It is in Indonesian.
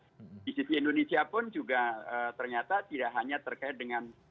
karena di sisi indonesia pun juga ternyata tidak hanya terkait dengan